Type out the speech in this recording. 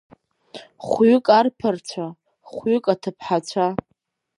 Хәҩык арԥарцәа, хәҩык аҭыԥҳацәа…